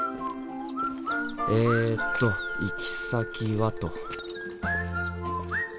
えと行き先はと。